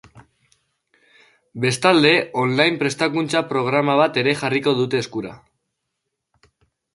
Bestalde, on line prestakuntza programa bat ere jarriko dute eskura.